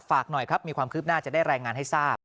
ฝากหน่อยครับมีความคืบหน้าจะได้รายงานให้ทราบ